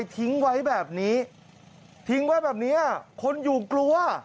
ทิ้งไว้แบบนี้ทิ้งไว้แบบนี้คนอยู่กลัว